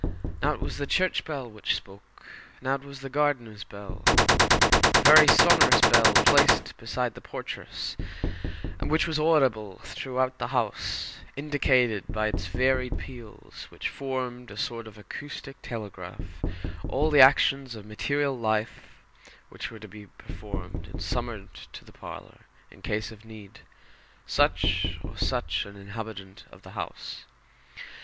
Now it was the church bell which spoke, now it was the gardener's bell. A very sonorous bell, placed beside the portress, and which was audible throughout the house, indicated by its varied peals, which formed a sort of acoustic telegraph, all the actions of material life which were to be performed, and summoned to the parlor, in case of need, such or such an inhabitant of the house.